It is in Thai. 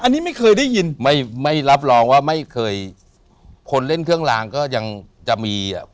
อันนี้ไม่เคยได้ยินไม่ไม่รับรองว่าไม่เคยคนเล่นเครื่องลางก็ยังจะมีอ่ะ